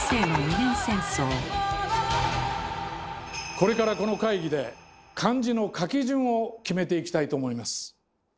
これからこの会議で漢字の書き順を決めていきたいと思います。